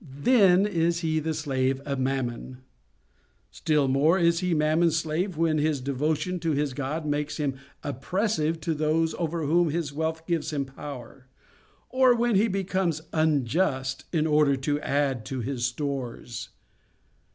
Then is he the slave of Mammon. Still more is he Mammon's slave when his devotion to his god makes him oppressive to those over whom his wealth gives him power; or when he becomes unjust in order to add to his stores.